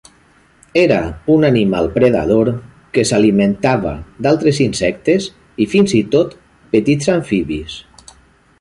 Era un animal predador que s'alimentava d'altres insectes i fins i tot petits amfibis.